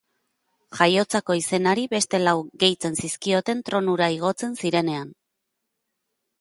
Jaiotzako izenari beste lau gehitzen zizkioten tronura igotzen zirenean.